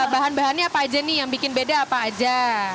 bahan bahannya apa aja nih yang bikin beda apa aja